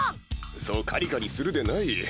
そうカリカリするでない。